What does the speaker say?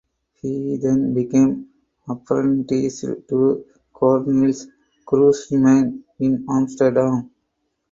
He then became apprenticed to Cornelis Kruseman in Amsterdam.